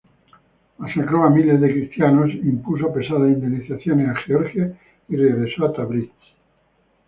Masacró a miles de cristianos, impuso pesadas indemnizaciones a Georgia y regresó a Tabriz.